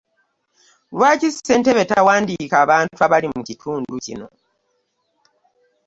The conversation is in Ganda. Lwaki ssentebe tawandiika abantu abali mu kitundu kino?